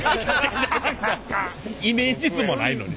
イメージ図もないのに。